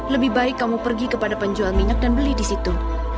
lebih baik kamu pergi kepada penjual minyak dan beli di situ